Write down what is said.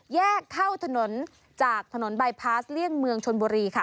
แยกเข้าถนนจากถนนบายพาสเลี่ยงเมืองชนบุรีค่ะ